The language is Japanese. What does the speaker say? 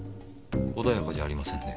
穏やかじゃありませんね。